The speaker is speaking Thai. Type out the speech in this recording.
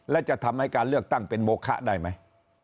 และจะทำให้การเลือกตั้งเป็นโมคะได้ไหม